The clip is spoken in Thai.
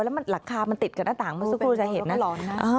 แล้วหลังคามันติดกับหน้าต่างเมื่อสักครู่จะเห็นนะ